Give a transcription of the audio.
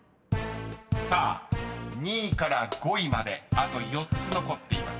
［さあ２位から５位まであと４つ残っています］